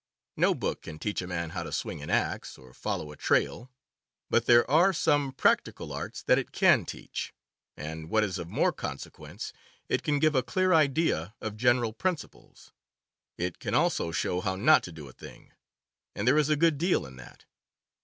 No book can teach a man how to swing an axe or follow a trail. But there are some practical arts that it can teach, and, what is of more consequence, it can give a clear idea of general principles. It can also show how not to do a thing — and there is a good deal in that.